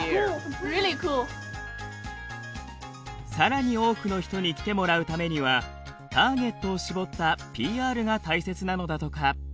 さらに多くの人に来てもらうためにはターゲットを絞ったＰＲが大切なのだとか。